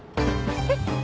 えっ？